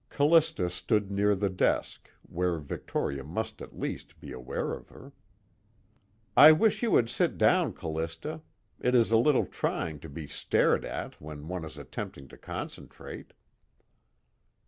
Callista stood near the desk, where Victoria must at least be aware of her. "I wish you would sit down, Callista. It is a little trying to be stared at when one is attempting to concentrate."